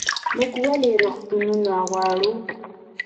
موږ ولې روغتونونه غواړو؟